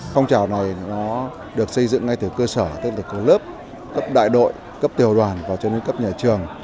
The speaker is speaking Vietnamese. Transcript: phong trào này nó được xây dựng ngay từ cơ sở tức là có lớp cấp đại đội cấp tiểu đoàn và cho đến cấp nhà trường